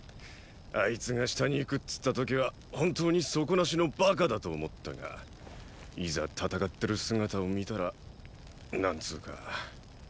あいつが下に行くっつった時は本当に底無しのバカだと思ったがいざ戦ってる姿を見たら何つーか。